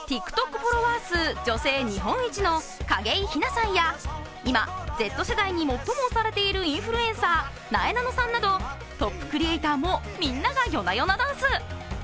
フォロワー数女性日本一の景井ひなさんや今Ｚ世代に最も推されているインフルエンサー、なえなのさんなどトップクリエイターもみんながＹＯＮＡＹＯＮＡＤＡＮＣＥ。